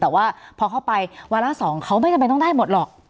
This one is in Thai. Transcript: แต่ว่าพอเข้าไปวาระ๒เขาไม่จำเป็นต้องได้หมดหรอก